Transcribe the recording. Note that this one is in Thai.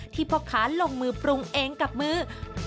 พ่อค้าลงมือปรุงเองกับมือ